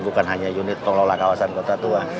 bukan hanya unit pengelola kawasan kota tua